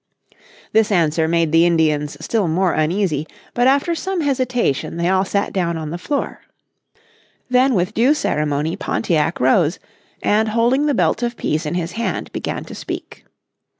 This answer made the Indians still more uneasy, but after some hesitation they all sat down on the floor. Then with due ceremony Pontiac rose, and holding the belt of peace in his hand began to speak.